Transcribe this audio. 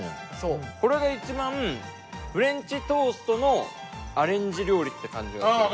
これが一番フレンチトーストのアレンジ料理って感じがする。